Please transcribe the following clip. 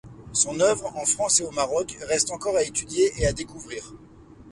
Son œuvre, en France et au Maroc reste encore à étudier et à découvrir.